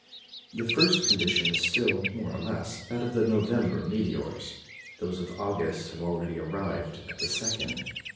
The first condition is still, more or less, that of the November meteors; those of August have already arrived at the second.